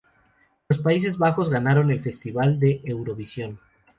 Los Países Bajos ganaron el Festival de Eurovisión.